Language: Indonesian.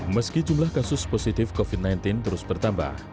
meski jumlah kasus positif covid sembilan belas terus bertambah